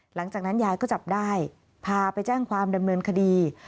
หลังจากนั้นยายก็จับได้พาไปแจ้งความดำเนินคดี